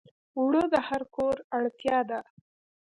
اوړه د هر کور اړتیا ده